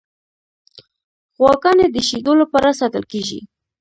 غواګانې د شیدو لپاره ساتل کیږي.